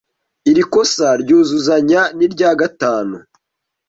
iri kosa ryuzuzanya n’irya gatanu